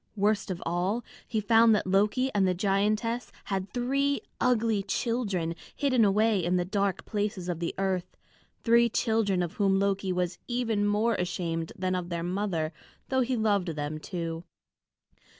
Worst of all, he found that Loki and the giantess had three ugly children hidden away in the dark places of the earth, three children of whom Loki was even more ashamed than of their mother, though he loved them too.